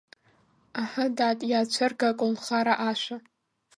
Аҳы, дад, иаацәырга аколнхара ашәа!